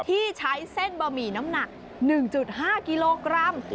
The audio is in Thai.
ที่ใช้เส้นบะหมี่น้ำหนัก๑๕กิโลกรัม